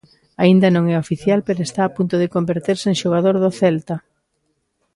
Aínda non é oficial pero está a punto de converterse en xogador do Celta.